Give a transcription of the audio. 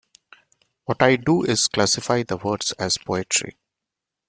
What I do is classify the words as poetry.